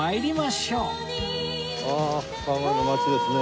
ああ川越の街ですね。